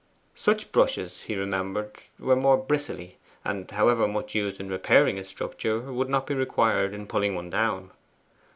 Such brushes, he remembered, were more bristly; and however much used in repairing a structure, would not be required in pulling one down.